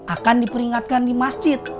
akan diperingatkan di masjid